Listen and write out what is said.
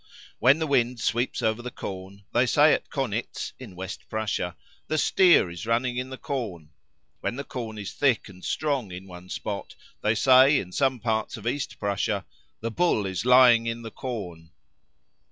When the wind sweeps over the corn they say at Conitz, in West Prussia, "The Steer is running in the corn"; when the corn is thick and strong in one spot, they say in some parts of East Prussia, "The Bull is lying in the corn."